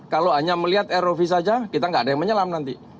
kalau hanya melihat rov saja kita nggak ada yang menyelam nanti